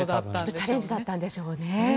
チャレンジだったんでしょうね。